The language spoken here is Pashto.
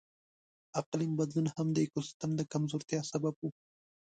اقلیم بدلون هم د ایکوسیستم د کمزورتیا سبب و.